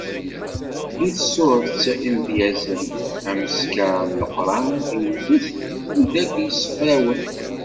Deg tsuret Imedyazen, ameskar n Leqran iwet-d deg wid akk yessefrawen.